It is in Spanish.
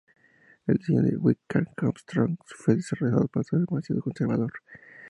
El diseño de Vickers-Armstrongs fue rechazado por ser demasiado conservador.